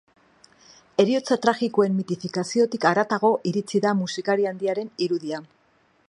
Heriotza tragikoen mitifikaziotik haratago iritsi da musikari handiaren irudia.